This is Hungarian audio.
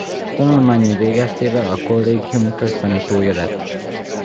Tanulmányai végeztével a Kollégium köztanítója lett.